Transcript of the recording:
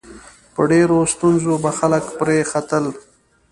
په ډېرو ستونزو به خلک پرې ختل.